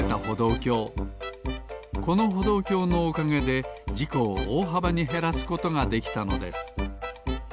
このほどうきょうのおかげでじこをおおはばにへらすことができたのです